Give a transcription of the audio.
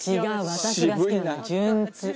私が好きなのは純露。